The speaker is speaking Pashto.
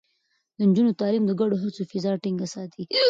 د نجونو تعليم د ګډو هڅو فضا ټينګه ساتي.